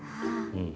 うん。